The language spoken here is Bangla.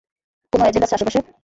কোন অ্যাজেন্ট আছে আশেপাশে?